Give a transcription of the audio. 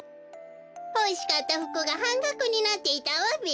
ほしかったふくがはんがくになっていたわべ。